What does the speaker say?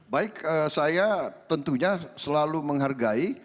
baik saya tentunya selalu menghargai